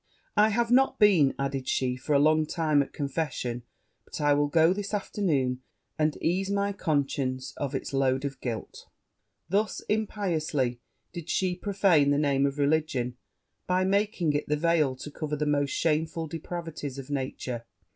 'I have not been,' added she, 'for a long time, at confession; but I will go this afternoon, and ease my conscience of it's load of guilt.' Thus impiously did she profane the name of religion, by making it the veil to cover the most shameful depravities of nature.